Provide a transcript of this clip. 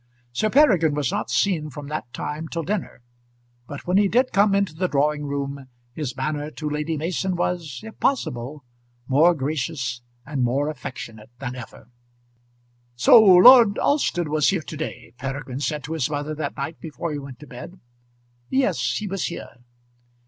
Sir Peregrine was not seen from that time till dinner; but when he did come into the drawing room his manner to Lady Mason was, if possible, more gracious and more affectionate than ever. "So Lord Alston was here to day," Peregrine said to his mother that night before he went to bed. "Yes, he was here."